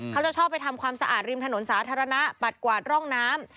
เขาจะชอบไปทำความสะอาดริมถนนสาธารณะปัดกวาดร่องน้ำ